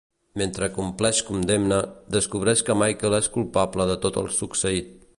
Mentre compleix condemna, descobreix que Michael és culpable de tot el succeït.